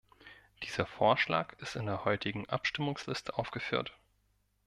Dieser Vorschlag ist in der heutigen Abstimmungsliste aufgeführt.